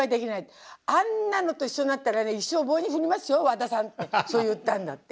あんなのと一緒になったらね一生棒に振りますよ和田さん」ってそう言ったんだって。